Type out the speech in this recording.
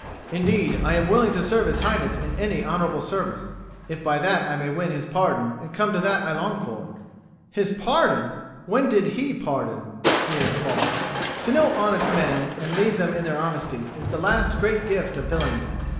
"Indeed I am willing to serve His Highness in any honourable service, if by that I may win his pardon and come to that I long for." "His pardon! When did he pardon?" sneered Paul. To know honest men and leave them to their honesty is the last great gift of villainy.